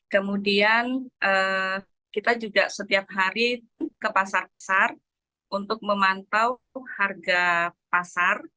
kemudian kita juga setiap hari ke pasar pasar untuk memantau harga pasar